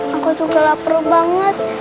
aku juga lapar banget